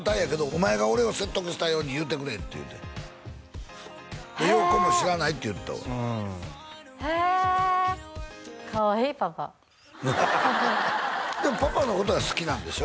「お前が俺を説得したように言ってくれ」って言うてよう子も知らないって言うてたわへえでもパパのことは好きなんでしょ？